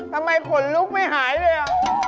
ทำไมขนลุกไม่หายเลยล่ะ